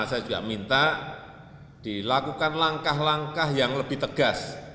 saya juga minta dilakukan langkah langkah yang lebih tegas